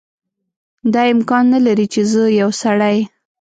دا امکان نه لري چې زه یو سړی.